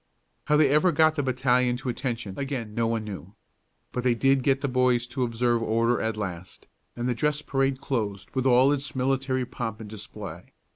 How they ever got the battalion to attention again no one knew. But they did get the boys to observe order at last, and the dress parade closed with all its military pomp and display.